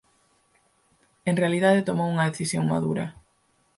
En realidade tomou unha decisión madura.